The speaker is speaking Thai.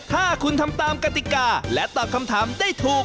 ถ้าคุณทำตามกติกาและตอบคำถามได้ถูก